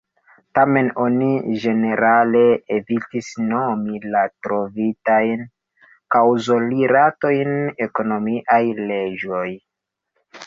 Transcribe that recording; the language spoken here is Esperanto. Tamen oni ĝenerale evitis nomi la trovitajn kaŭzorilatojn ekonomiaj leĝoj.